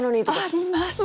あります！